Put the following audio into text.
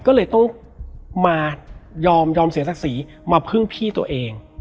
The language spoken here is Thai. ก็เลยต้องมายอมเสียศักดิ์ศรีมาพึ่งพี่ตัวเอง